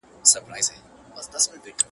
له آمو تر اباسینه دا څپه له کومه راوړو!